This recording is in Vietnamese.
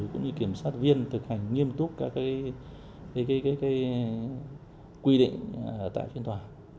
cũng như kiểm soát viên thực hành nghiêm túc các quy định tại phiên tòa